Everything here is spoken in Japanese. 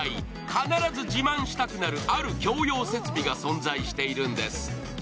必ず自慢したくなる、ある共用設備が存在しているんです。